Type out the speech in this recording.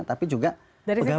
tapi juga pegawai